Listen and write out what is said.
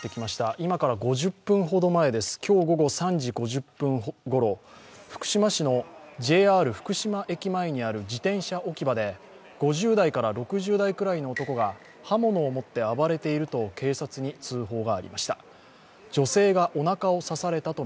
今から５０分ほど前です、今日午後３時５０分ごろ、福島市のＪＲ福島駅前にある自転車置き場で５０代から６０代くらいの男が刃物を持って暴れていると警察に通報がありました。